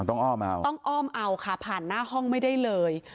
ต้องอ้อมเอาต้องอ้อมเอาค่ะผ่านหน้าห้องไม่ได้เลย